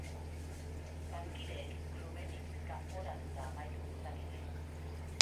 Bazkideek klubetik kanporatuta amaitu dezakete.